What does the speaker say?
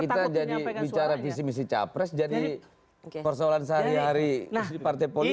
kita jadi bicara visi misi capres jadi persoalan sehari hari di partai politik